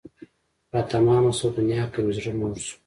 را تمامه شوه دنیا که مې زړه موړ شو